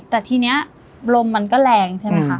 แต่ทีนี้ลมมันก็แรงใช่ไหมคะ